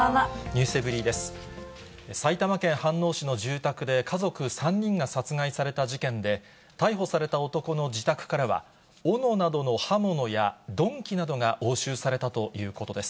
埼玉県飯能市の住宅で、家族３人が殺害された事件で、逮捕された男の自宅からは、おのなどの刃物や鈍器などが押収されたということです。